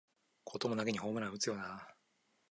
こともなげにホームラン打つよなあ